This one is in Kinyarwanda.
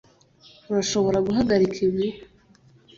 Urashobora guhagarika ibi